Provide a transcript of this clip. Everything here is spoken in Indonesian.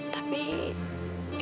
nah final lagi